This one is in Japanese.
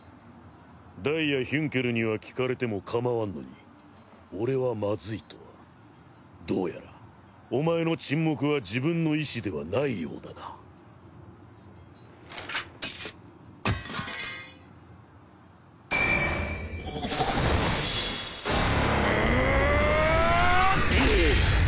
ダイやヒュンケルには聞かれてもかまわんのに俺はまずいとはどうやらお前の沈黙は自分の意思ではないようだな。は！